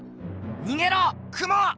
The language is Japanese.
にげろクモ！